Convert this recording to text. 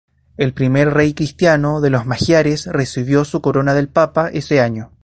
El primer rey cristiano de los magiares recibió su corona del Papa ese año.